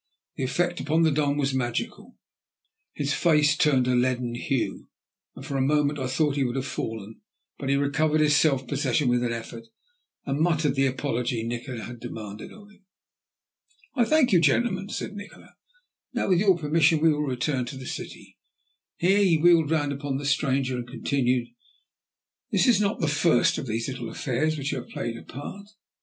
The effect upon the Don was magical. His face turned a leaden hue, and for a moment I thought he would have fallen, but he recovered his self possession with an effort, and muttered the apology Nikola had demanded of him. "I thank you, gentlemen," said Nikola. "Now, with your permission, we will return to the city." Here he wheeled round upon the stranger, and continued: "This is not the first of these little affairs in which you have played a part.